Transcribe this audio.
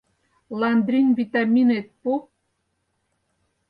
Ландрин-витаминет пу!